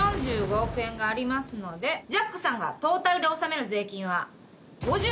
４５億円がありますのでジャックさんがトータルで納める税金は５６億８，０００万円です。